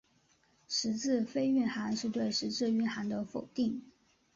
实质非蕴涵是对实质蕴涵的否定。